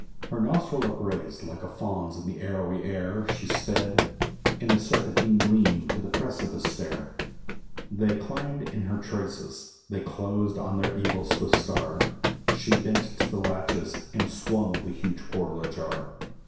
Her nostril upraised, like a fawn's on the arrowy air, She sped; in a serpentine gleam to the precipice stair, They climbed in her traces, they closed on their evil swift star: She bent to the latches, and swung the huge portal ajar.